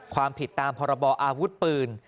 ความผิดตามพรบออาวุธปืน